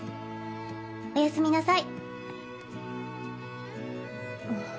おやすみなさい。